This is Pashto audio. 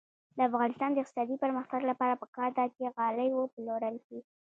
د افغانستان د اقتصادي پرمختګ لپاره پکار ده چې غالۍ وپلورل شي.